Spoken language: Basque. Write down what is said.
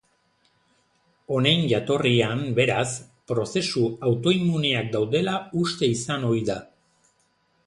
Honen jatorrian, beraz, prozesu autoimmuneak daudela uste izan ohi da.